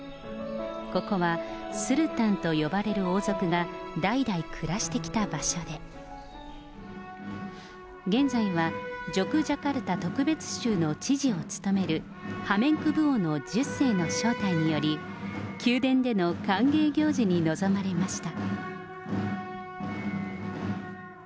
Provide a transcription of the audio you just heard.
ここはスルタンと呼ばれる王族が代々暮らしてきた場所で、現在は、ジョクジャカルタ特別州の知事を務めるハメンク・ブウォノ１０世の招待により、宮殿での歓迎行事に臨まれました。